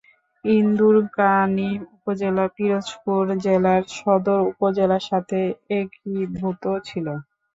ইন্দুরকানী উপজেলা পিরোজপুর জেলার সদর উপজেলার সাথে একীভূত ছিল।